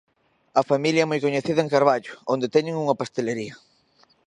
A familia é moi coñecida en Carballo, onde teñen unha pastelería.